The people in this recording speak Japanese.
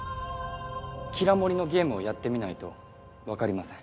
キラもりのゲームをやってみないとわかりません。